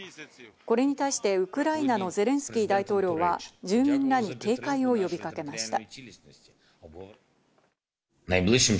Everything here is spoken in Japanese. これに対してウクライナのゼレンスキー大統領は住民らに警戒を呼びかけました。